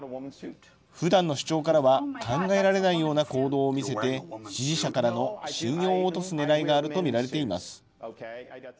ふだんの主張からは考えられないような行動を見せて、支持者からの信用を落とすねらいがあると見られています。